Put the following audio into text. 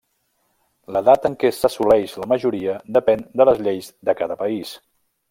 L'edat en què s'assoleix la majoria depèn de les lleis de cada país.